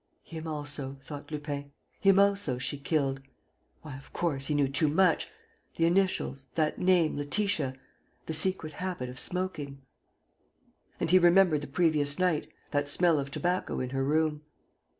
"Him also," thought Lupin, "him also she killed! ... Why, of course, he knew too much! ... The initials ... that name, Letitia ... the secret habit of smoking!" And he remembered the previous night, that smell of tobacco in her room.